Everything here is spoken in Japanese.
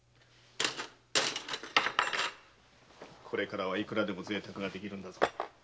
これからはいくらでも贅沢ができるんだぞ。